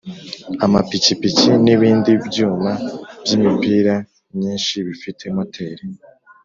amapikipiki n’ ibindi byuma by’ imipira myinshi bifite moteri